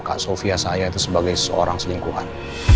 kak sofia saya itu sebagai seorang selingkuhan